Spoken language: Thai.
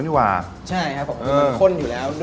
ใช่ครับก็มันข้นอยู่แล้ว